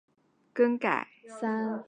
南北朝时期名称有所更改。